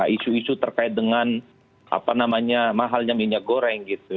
isu isu terkait dengan apa namanya mahalnya minyak goreng gitu